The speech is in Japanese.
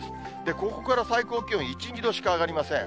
ここから最高気温１、２度しか上がりません。